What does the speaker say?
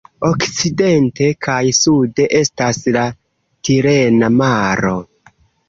Okcidente kaj sude estas la Tirena Maro.